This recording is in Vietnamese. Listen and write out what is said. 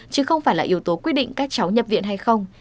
chứ không phải là yếu tố quyết định các cháu nhập viện hay không